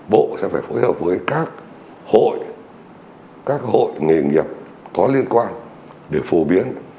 bộ sẽ phải phối hợp với các hội các hội nghề nghiệp có liên quan để phổ biến